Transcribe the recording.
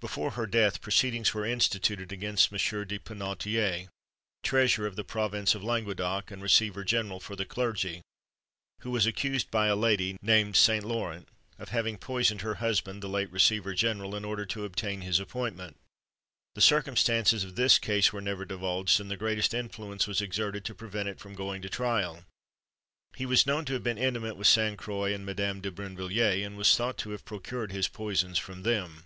Before her death, proceedings were instituted against M. de Penautier, treasurer of the province of Languedoc, and receiver general for the clergy, who was accused by a lady, named St. Laurent, of having poisoned her husband, the late receiver general, in order to obtain his appointment. The circumstances of this case were never divulged, and the greatest influence was exerted to prevent it from going to trial. He was known to have been intimate with Sainte Croix and Madame de Brinvilliers, and was thought to have procured his poisons from them.